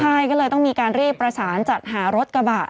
ใช่ก็เลยต้องมีการรีบประสานจัดหารถกระบะ